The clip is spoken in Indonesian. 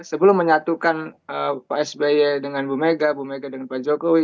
sebelum menyatukan pak sby dengan bu mega bu mega dengan pak jokowi